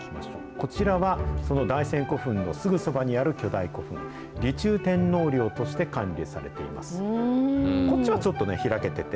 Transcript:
こちらは、その大山古墳のすぐそばにある巨大古墳、履中天皇陵として管理されています。